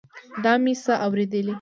دا مې څه اورېدل.